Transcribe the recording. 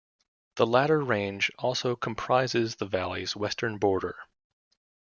The latter range also comprises the valley's western border.